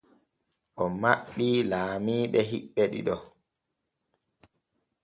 O maɓɓi laamiiɓe hiɓɓe ɗiɗo.